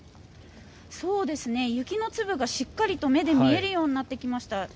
雪の粒がしっかりと目で見えるようになってきました。